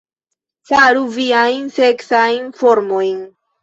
Faru viajn seksajn formojn